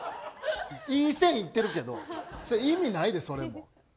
いい線いってるけど意味ないで、それ。